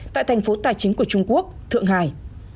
tại thành phố tài chính của trung quốc thượng hải